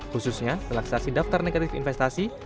khususnya relaksasi daftar negatif investasi